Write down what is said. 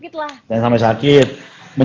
jangan sampai sakit lah